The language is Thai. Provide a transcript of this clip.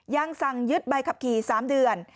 ยังสั่งยึดใบขับขี่๓เดือน